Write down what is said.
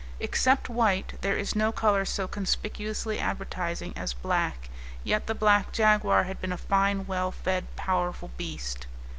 Except white, there is no color so conspicuously advertising as black; yet the black jaguar had been a fine, well fed, powerful beast.